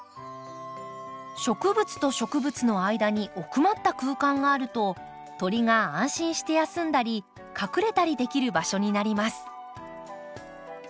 植物と植物の間に奥まった空間があると鳥が安心して休んだり隠れたりできる場所になります。